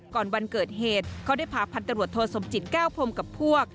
วันเกิดเหตุเขาได้พาพันตรวจโทสมจิตแก้วพรมกับพวก